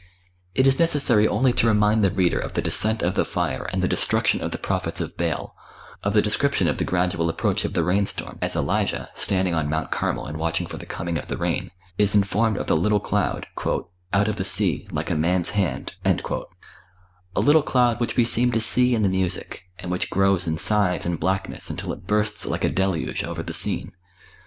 It is necessary only to remind the reader of the descent of the fire and the destruction of the prophets of Baal; of the description of the gradual approach of the rain storm, as Elijah, standing on Mount Carmel and watching for the coming of the rain, is informed of the little cloud, "out of the sea, like a man's hand" a little cloud which we seem to see in the music, and which grows in size and blackness until it bursts like a deluge over the scene.